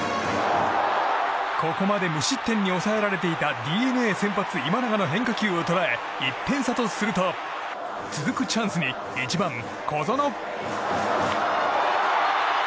ここまで無失点に抑えられていたＤｅＮＡ先発、今永の変化球を捉え、１点差とすると続くチャンスに１番、小園。